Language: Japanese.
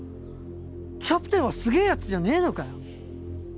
キャプテンはすげえ奴じゃねえのかよ！